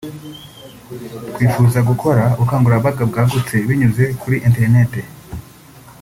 “Twifuzaga gukora ubukangurambaga bwagutse binyuze kuri internet